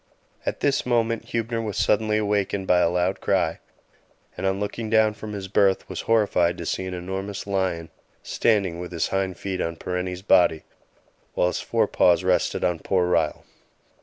At this moment Huebner was suddenly awakened by a loud cry, and on looking down from his berth was horrified to see an enormous lion standing with his hind feet on Parenti's body, while his forepaws rested on poor Ryall.